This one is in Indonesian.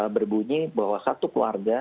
berbunyi bahwa satu keluarga